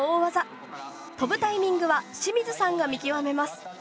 飛ぶタイミングは清水さんが見極めます。